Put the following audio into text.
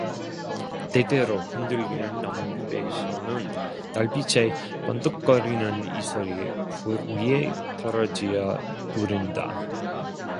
때때로 흔들리는 나뭇잎에서는 달빛에 번득거리는 이슬이 풀 위에 떨어지어 구른다.